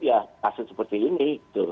ya kasus seperti ini